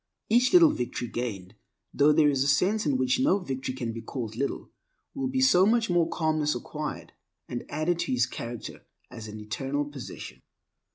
Each little victory gained (though there is a sense in which no victory can be called little) will be so much more calmness acquired and added to his character as an eternal possession.